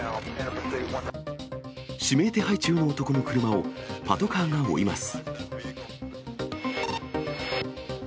指名手配中の男の車をパトカーが追います。